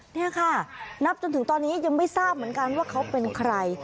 นี่ค่ะนับจนถึงตอนนี้ยังไม่ทราบเหมือนกันว่าเขาเป็นใคร